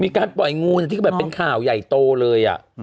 มีการปล่อยงูที่ก็แบบเป็นข่าวใหญ่โตเลย